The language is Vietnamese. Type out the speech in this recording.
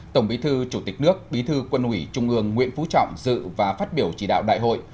tổng bí thư chủ tịch nước bí thư quân ủy trung ương nguyễn phú trọng dự và phát biểu chỉ đạo đại hội